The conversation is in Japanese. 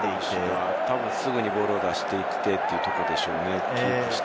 すぐにボールを出していってということでしょうね。